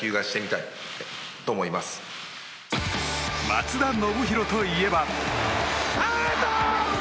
松田宣浩といえば。